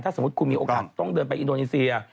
สมมุติคุณมีโอกาสต้องเดินไปอินโดนีเซีย